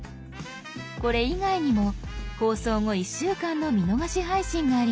これ以外にも放送後１週間の「見逃し配信」があります。